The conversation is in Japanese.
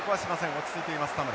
落ち着いています田村。